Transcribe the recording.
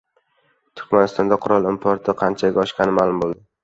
Turkmanistonda qurol importi qanchaga oshgani ma’lum bo‘ldi